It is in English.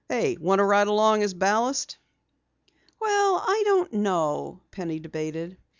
Want to ride along as ballast?" "Well, I don't know?" Penny debated.